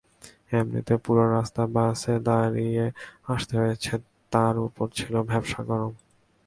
এমনিতেই পুরো রাস্তা বাসে দাঁড়িয়ে আসতে হয়েছে, তার ওপর ছিল ভাপসা গরম।